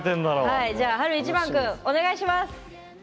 はいじゃあ晴いちばん君お願いします！